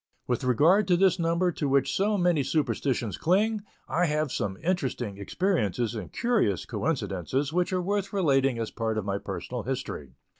With regard to this number to which so many superstitions cling, I have some interesting experiences and curious coincidences, which are worth relating as a part of my personal history.